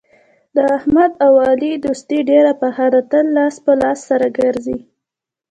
د احمد او علي دوستي ډېره پخه ده تل لاس په لاس سره ګرځي.